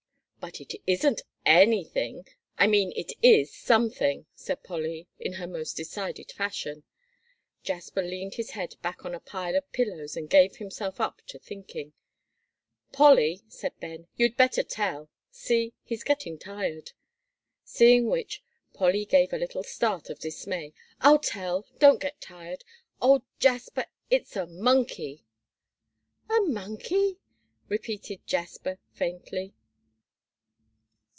"But it isn't anything I mean it is something," said Polly, in her most decided fashion. Jasper leaned his head back on a pile of pillows, and gave himself up to thinking. "Polly," said Ben, "you'd better tell; see, he's getting tired." Seeing which, Polly gave a little start of dismay. "I'll tell; don't get tired. Oh, Jasper, it's a monkey." "A monkey!" repeated Jasper, faintly.